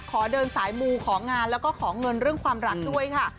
ขอเดินสายมูของานแล้วก็ขอเงินเรื่องความรักด้วยค่ะ